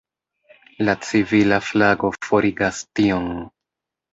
La civila flago forigas tion.